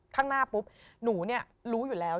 ข้างหน้าปุ๊บหนูรู้อยู่แล้ว